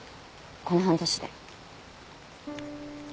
この半年で。